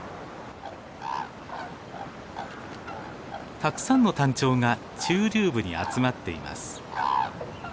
たくさんのタンチョウが中流部に集まっています。